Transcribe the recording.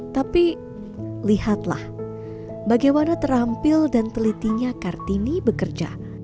tapi lihatlah bagaimana terampil dan telitinya kartini bekerja